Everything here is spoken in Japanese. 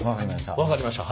分かりました。